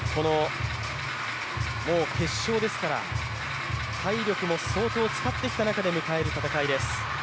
もう決勝ですから、体力も相当使ってきた中で迎える戦いです。